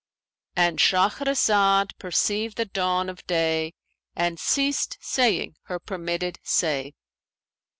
"—And Shahrazad perceived the dawn of day and ceased saying her permitted say.